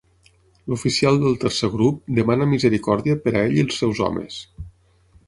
L'oficial del tercer grup demana misericòrdia per a ell i els seus homes.